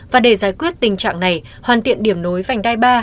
và để giải quyết tình trạng này hoàn tiện điểm nối phảnh đại ba